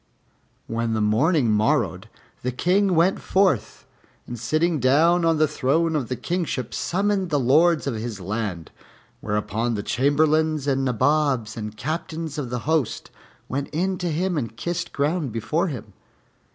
When the morning morrowed the King went forth, and sitting down on the throne of the Kingship, summoned the Lords of his land; whereupon the Chamberlains and Nabobs and Captains of the host went in to him and kissed ground before him.